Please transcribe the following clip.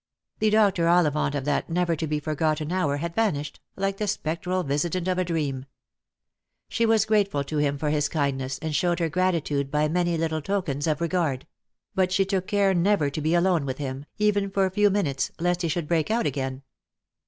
The Dr. Ollivant of that never to be forgotten hour had vanished, like the spectral visitant of a dream . She was grateful to him for his kindness, and showed her gratitude by many little tokens of regard; but she took good care never to be alone with him, even for a few minutes, lest he should break out again.